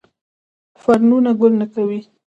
فرنونه ګل نه کوي